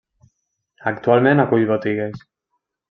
Actualment acull botigues.